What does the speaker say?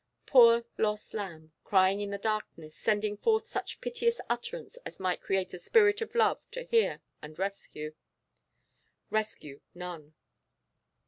Poor lost lamb, crying in the darkness, sending forth such piteous utterance as might create a spirit of love to hear and rescue. Rescue none.